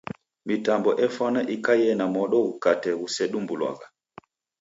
Mitambo efwana ikaie na modo ghukate ghusedumbulwagha.